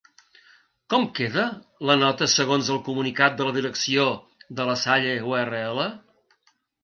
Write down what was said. Com queda la nota segons el comunicat de la direcció de La Salle-URL?